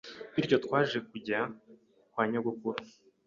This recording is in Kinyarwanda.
bityo twaje kujya kwa nyogokuru